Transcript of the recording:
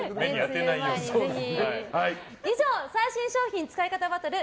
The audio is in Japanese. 以上、最新商品使い方バトル！